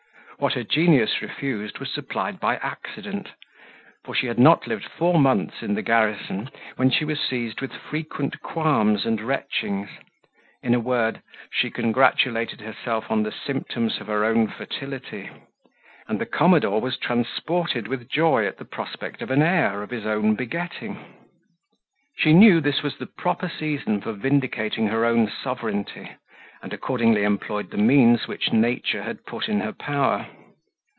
What her genius refused was supplied by accident; for she had not lived four months in the garrison, when she was seized with frequent qualms and retchings; in a word, she congratulated herself on the symptoms of her own fertility; and the commodore was transported with joy at the prospect of an heir of his own begetting. She knew this was the proper season for vindicating her own sovereignty, and accordingly employed the means which nature had put in her power.